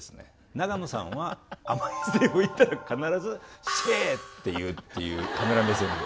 永野さんは甘いセリフを言ったら必ず「シェー」って言うっていうカメラ目線で。